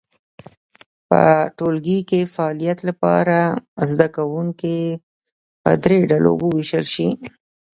په ټولګي کې فعالیت لپاره زده کوونکي په درې ډلو وویشل شي.